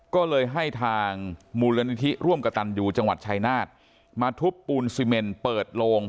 ก็เลยให้ทางมูลนิธิร่วมกระตันยูจังหวัดชายนาฏมาทุบปูนซีเมนเปิดโลง